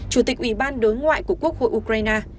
chủ tịch ủy ban đối ngoại của quốc hội ukraine